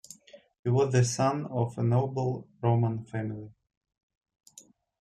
He was the son of a noble Roman family.